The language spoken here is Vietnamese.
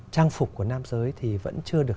trang phục của nam giới thì vẫn chưa được